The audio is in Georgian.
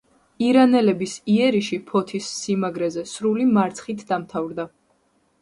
ირანელების იერიში ფოთის სიმაგრეზე სრული მარცხით დამთავრდა.